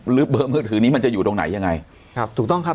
เบอร์มือถือนี้มันจะอยู่ตรงไหนยังไงครับถูกต้องครับ